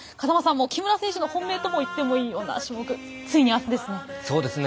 木村選手が本命ともいっていいような種目ついに、あすですね。